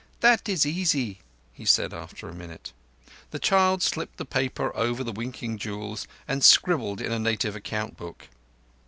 "That is easy," he said after a minute. The child slipped the paper over the winking jewels and scribbled in a native account book.